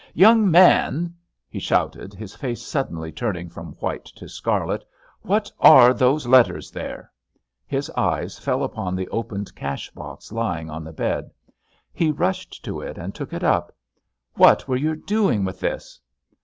"Young man," he shouted, his face suddenly turning from white to scarlet, "what are those letters there?" His eyes fell upon the opened cash box lying on the bed. He rushed to it and took it up. "What were you doing with this?"